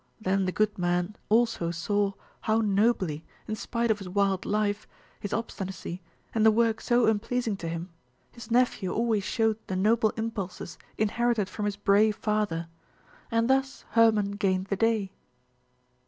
Then the good man also saw how nobly, in spite of his wild life, his obstinacy, and the work so unpleasing to him, his nephew always showed the noble impulses inherited from his brave father, and thus Hermon gained the day."